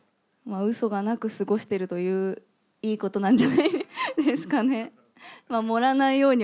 うそがなく過ごしてるという、いいことなんじゃないですかね。